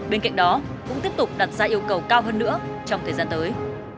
bên cạnh đó cũng tiếp tục đặt ra yêu cầu cao hơn nữa trong thời gian tới